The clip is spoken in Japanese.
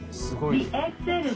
すごいよ。